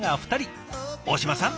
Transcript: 大島さん